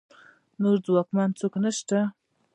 نور ځواکمن څوک نشته